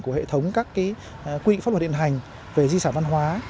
của hệ thống các quỹ pháp luật điện hành về di sản văn hóa